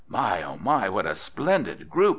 "My, oh, my, what a splendid group!"